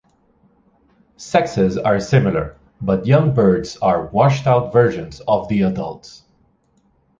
Sexes are similar, but young birds are washed-out versions of the adults.